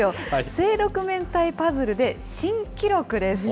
正六面体パズルで新記録です。